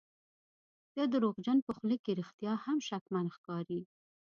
د دروغجن په خوله کې رښتیا هم شکمن ښکاري.